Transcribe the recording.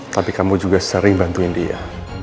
tapi kamu juga sering bantuin dia